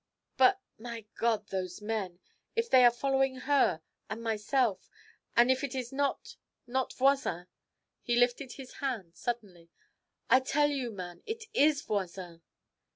'But, my God! those men! If they are following her and myself and if it is not not Voisin ' He lifted his hand suddenly. 'I tell you, man, it is Voisin!'